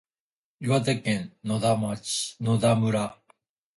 岩手県野田村